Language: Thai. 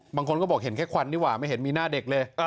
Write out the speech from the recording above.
บางคนก็บอกเห็นแค่ควันดีกว่าไม่เห็นมีหน้าเด็กเลย